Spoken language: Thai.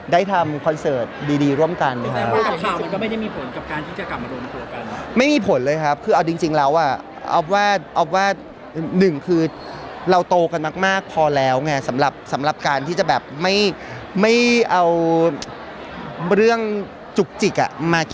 ได้ทำคอนเสิร์ตดีดีร่วมกันครับก็ไม่ได้มีผลกับการที่จะกลับมา